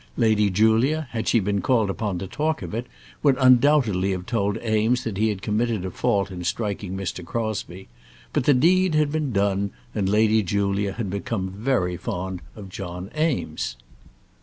Lady Julia, had she been called upon to talk of it, would undoubtedly have told Eames that he had committed a fault in striking Mr. Crosbie; but the deed had been done, and Lady Julia became very fond of John Eames.